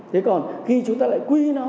thế còn khi chúng ta lại quy nó